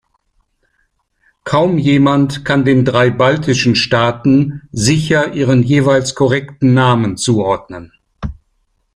Kaum jemand kann den drei baltischen Staaten sicher ihren jeweils korrekten Namen zuordnen.